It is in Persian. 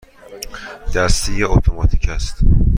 دستی یا اتوماتیک است؟